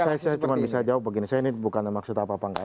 saya cuma bisa jawab begini saya ini bukan maksud apa apa enggak